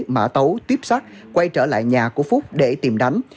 mã tấu tiếp sát quay trở lại nhà của phúc để tìm đánh